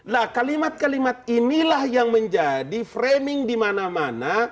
nah kalimat kalimat inilah yang menjadi framing di mana mana